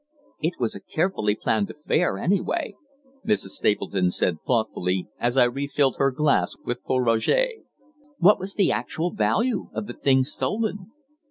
"It was a carefully planned affair, anyway," Mrs. Stapleton said thoughtfully, as I refilled her glass with Pol Roger. "What was the actual value of the things stolen?"